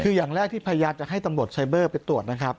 คืออย่างแรกที่พยายามจะให้ตำรวจไซเบอร์ไปตรวจนะครับ